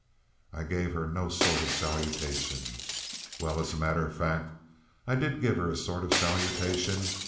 I gave her no sort of salutation. Well, as a matter of fact, I did give her a sort of salutation.